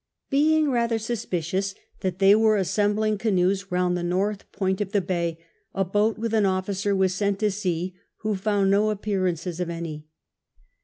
Being rather Suspicious that they were assembling canoes round the north point of the l)ay, a lK)at with on officer was sent to see, who found no jqjpearaiices of any.